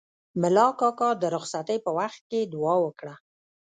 ملا کاکا د رخصتۍ په وخت کې دوعا وکړه.